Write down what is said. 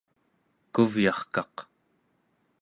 kuvyarkaq